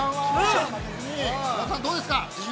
白土さん、どうですか。